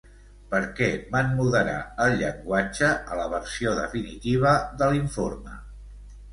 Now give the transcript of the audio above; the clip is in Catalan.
Per què van moderar el llenguatge a la versió definitiva de l'informe?